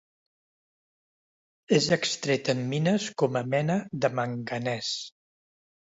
És extret en mines com a mena de manganès.